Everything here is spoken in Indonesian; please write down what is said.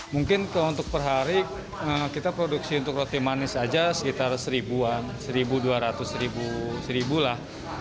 mungkin untuk per hari kita produksi untuk roti manis aja sekitar seribuan seribu dua ratus seribu lah